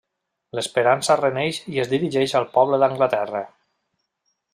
L'esperança reneix i es dirigeix al poble d'Anglaterra.